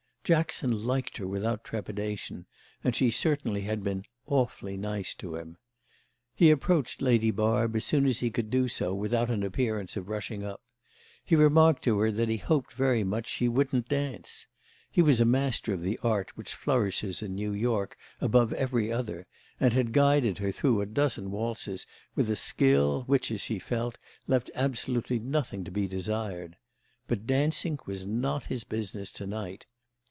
Jackson liked her without trepidation, and she had certainly been "awfully nice" to him. He approached Lady Barb as soon as he could do so without an appearance of rushing up; he remarked to her that he hoped very much she wouldn't dance. He was a master of the art which flourishes in New York above every other, and had guided her through a dozen waltzes with a skill which, as she felt, left absolutely nothing to be desired. But dancing was not his business to night.